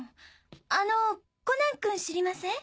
あのコナン君知りません？